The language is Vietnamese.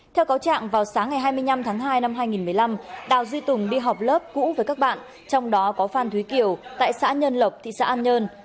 theo cáo trạng vào sáng ngày hai mươi năm tháng hai năm hai nghìn một mươi năm đào duy tùng đi học lớp cũ với các bạn trong đó có phan thúy kiều tại xã nhân lộc thị xã an nhơn